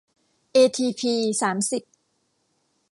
เอทีพี สามสิบ